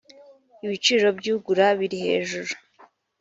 ibiciro by ugura birihejuru